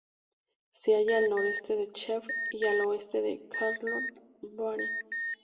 Se halla al noreste de Cheb y al oeste de Karlovy Vary.